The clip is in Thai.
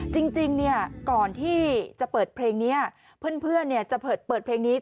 จริงจริงเนี้ยก่อนที่จะเปิดเพลงเนี้ยเพื่อนเพื่อนเนี้ยจะเปิดเปิดเพลงนี้